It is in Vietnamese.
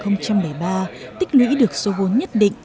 năm hai nghìn bảy mươi ba tích lũy được số bốn nhất định